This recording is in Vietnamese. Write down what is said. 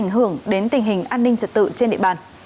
ảnh hưởng đến tình hình an ninh trật tự trên địa bàn